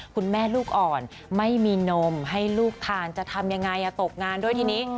คุณแม่ลูกอ่อนไม่มีนมให้ลูกทานจะทำยังไงตกงานด้วยทีนี้